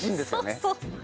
そうそう！